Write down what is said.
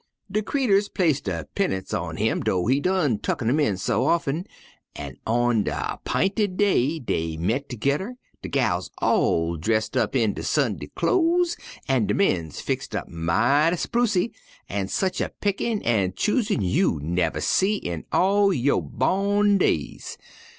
"De creeturs place der 'pennance on him, dough he done tucken 'em in so often, an' on de 'pinted day dey met toge'rr; de gals all dress' up in der Sunday clo'es an' de mens fixed up mighty sprucy, an' sech a pickin' an' choosin' you nuver see in all yo' bawn days.